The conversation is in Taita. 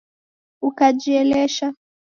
Ukajielesha